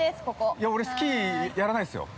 ◆いや、俺、スキーやらないですよ。